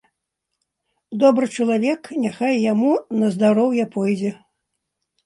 Добры чалавек, няхай яму на здароўе пойдзе.